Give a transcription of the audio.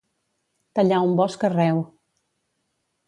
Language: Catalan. Tallar un bosc arreu.